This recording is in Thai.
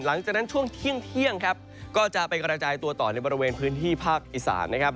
หลังจากนั้นช่วงเที่ยงครับก็จะไปกระจายตัวต่อในบริเวณพื้นที่ภาคอีสานนะครับ